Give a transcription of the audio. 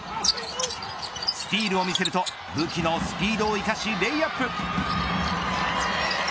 スティールを見せると武器のスピードを生かしレイアップ。